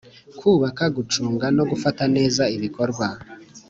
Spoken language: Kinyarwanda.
kubaka gucunga no gufata neza ibikorwa.